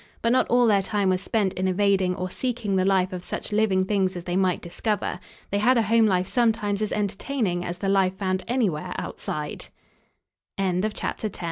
But not all their time was spent in evading or seeking the life of such living things as they might discover. They had a home life sometimes as entertaining as the life found anywhere outside. CHAPTER XI. DOINGS AT HOME. Th